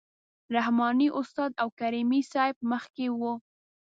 رحماني استاد او کریمي صیب مخکې وو.